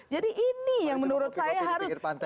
jadi ini yang menurut saya harus